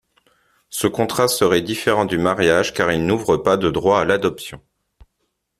Ce contrat serait différent du mariage car il n'ouvre pas de droit à l'adoption.